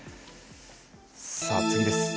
さあ、次です。